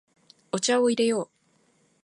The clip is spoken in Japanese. お茶を入れよう。